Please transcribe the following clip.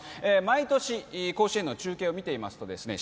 毎年甲子園の中継を見ていますとですね